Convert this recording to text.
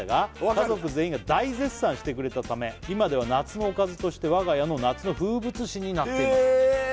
家族全員が大絶賛してくれたため今では夏のおかずとして我が家の夏の風物詩になってますへえ！